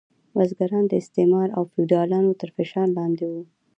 بزګران د استثمار او فیوډالانو تر فشار لاندې وو.